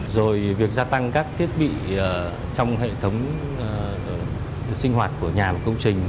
rồi việc gia tăng các thiết bị trong hệ thống sinh hoạt của nhà và công trình